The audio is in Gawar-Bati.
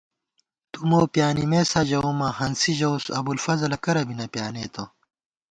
تُو مو پیا نِمېسا ژَوُماں ہنسی ژَوُس ابُوالفضلَہ کرہ بی پیانېتہ نئ